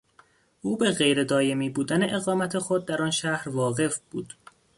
او به غیر دایمی بودن اقامت خود در آن شهر واقف بود.